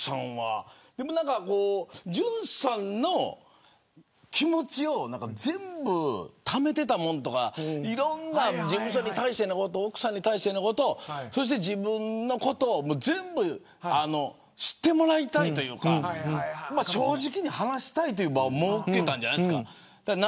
ジュンさんの気持ちを全部ためていたものとか事務所に対してのこと奥さんに対してのこと自分のことを全部知ってもらいたいというか正直に話したいという場を設けたんじゃないですか。